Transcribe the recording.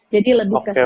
jadi lebih ke sana